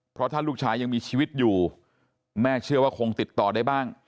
เพราะถ้าลูกชายยังมีชีวิตอยู่แม่เชื่อว่าคงติดต่อได้บ้าง